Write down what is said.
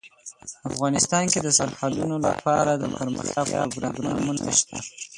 افغانستان کې د سرحدونه لپاره دپرمختیا پروګرامونه شته.